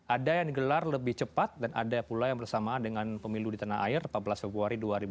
ada yang digelar lebih cepat dan ada pula yang bersamaan dengan pemilu di tanah air empat belas februari dua ribu dua puluh